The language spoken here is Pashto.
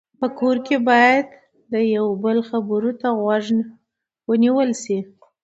په کور کې باید د یو بل خبرو ته غوږ ونیول شي.